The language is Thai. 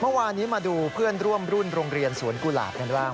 เมื่อวานนี้มาดูเพื่อนร่วมรุ่นโรงเรียนสวนกุหลาบกันบ้าง